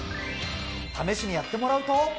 試しにやってもらうと。